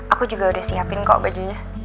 aku juga udah siapin kok bajunya